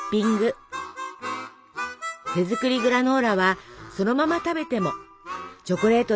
手作りグラノーラはそのまま食べてもチョコレートでコーティングしても。